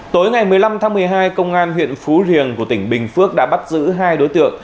tối ngày một mươi năm tháng một mươi hai công an huyện phú riềng của tỉnh bình phước đã bắt giữ hai đối tượng